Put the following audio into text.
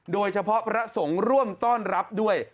โดยเฉพาะพระสงฆ์ร่วมต้อนรับด้วย